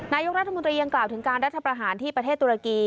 นายกรัฐมนตรียังกล่าวถึงการรัฐประหารที่ประเทศตุรกี